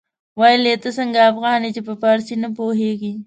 ويل يې ته څنګه افغان يې چې په فارسي نه پوهېږې.